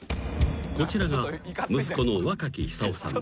［こちらが息子の若木久男さん。